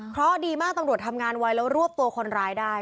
เพราะดีมากตำรวจทำงานไว้แล้วรวบตัวคนร้ายได้